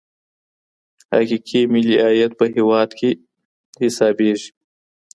حقیقي ملي عاید په هیواد کي حسابیږي.